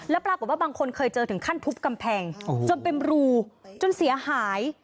แล้วปรากฏว่าบางคนเคยเจอถึงขั้นทุบกำแพงจนเป็นรูจนเสียหาย